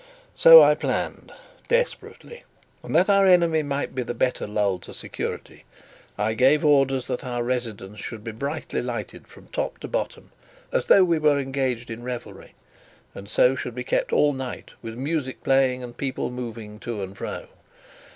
So I planned desperately. And, that our enemy might be the better lulled to security, I gave orders that our residence should be brilliantly lighted from top to bottom, as though we were engaged in revelry; and should so be kept all night, with music playing and people moving to and fro.